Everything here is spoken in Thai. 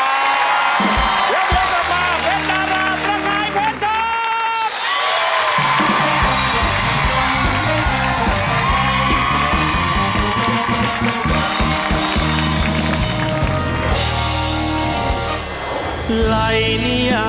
ยกยกกลับมาเพชรดาราประคายเพชรครับ